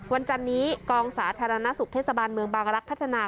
วันจันทร์นี้กองสาธารณสุขเทศบาลเมืองปาแลักภชนา